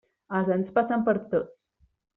Els anys passen per a tots.